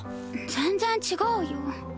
全然違うよ